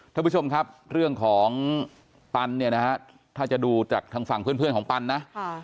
ท่านผู้ชมครับเรื่องของปันเนี่ยนะฮะถ้าจะดูจากทางฝั่งเพื่อนของปันนะ